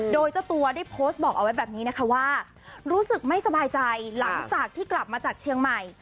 โดยเจ้าตัวได้โพสต์บอกเอาไว้แบบนี้นะคะว่ารู้สึกไม่สบายใจหลังจากที่กลับมาจากเชียงใหม่